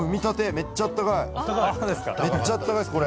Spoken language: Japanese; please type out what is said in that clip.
めっちゃあったかいですこれ。